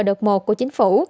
đợt một của chính phủ